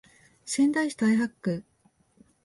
仙台市太白区